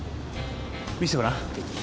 見してごらん。